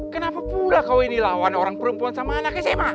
kenapa pula kau ini lawan orang perempuan sama anaknya zema